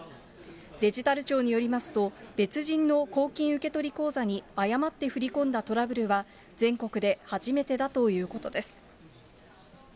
デジタル庁によりますと、別人の公金受取口座に誤って振り込んだトラブルは、全国で初めてだということです。